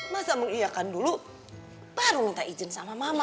masa mengiakan dulu baru minta izin sama mama